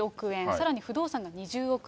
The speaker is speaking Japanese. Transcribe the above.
さらに不動産が２０億円。